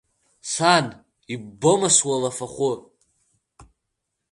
Сан, иббома сулафахәы!